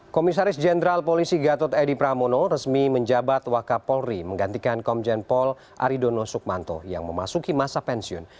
komisaris jenderal polisi gatot edi pramono resmi menjabat wakapolri menggantikan komjen pol aridono sukmanto yang memasuki masa pensiun